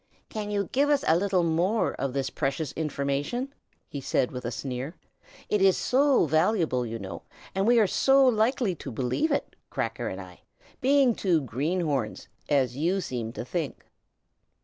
"Can't you give us a little more of this precious information?" he said with a sneer. "It is so valuable, you know, and we are so likely to believe it, Cracker and I, being two greenhorns, as you seem to think."